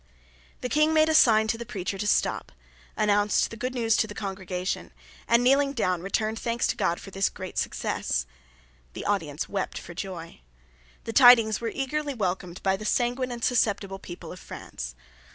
The King made a sign to the preacher to stop, announced the good news to the congregation, and, kneeling down, returned thanks to God for this great success. The audience wept for joy. The tidings were eagerly welcomed by the sanguine and susceptible people of France.